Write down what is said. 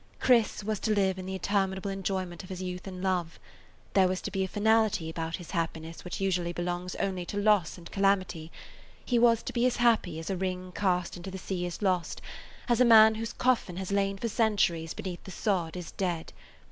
Chris was to live in the interminable enjoyment of his youth and love. There was to be a finality about his happiness which usually belongs only to loss and calamity; he was to be as happy as a ring cast into the sea is lost, as a man whose coffin has lain for centuries beneath the sod is dead.